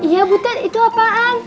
iya putet itu apaan